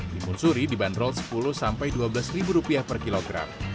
limun suri dibanderol sepuluh dua belas ribu rupiah per kilogram